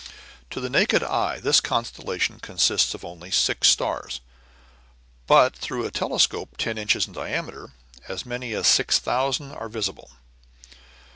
To the naked eye this constellation consists of only six stars, but through a telescope ten inches in diameter, as many as six thousand are visible.